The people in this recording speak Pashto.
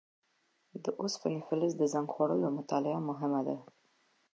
د اوسپنې فلز د زنګ خوړلو مطالعه مهمه ده.